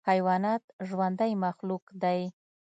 حیوانات ژوندی مخلوق دی.